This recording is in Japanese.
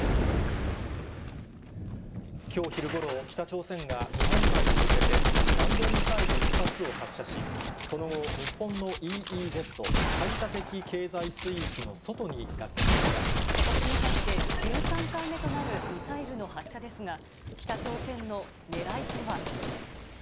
きょう昼頃、北朝鮮が日本海に向けて、弾道ミサイル１発を発射し、その後、日本のＥＥＺ・排ことしに入って１３回目となるミサイルの発射ですが、北朝鮮のねらいとは。